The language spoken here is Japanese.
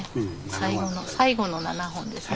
最後の最後の７本ですね。